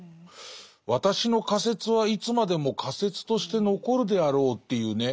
「私の仮説はいつまでも仮説として残るであらう」っていうね。